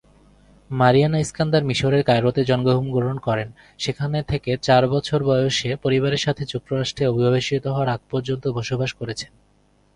Mariana Iskandar মিশরের কায়রোতে জন্মগ্রহণ করেন, সেখান থেকে চার বছর বয়সে পরিবারের সাথে যুক্তরাষ্ট্রে অভিবাসিত হওয়ার আগ পর্যন্ত বসবাস করেছেন।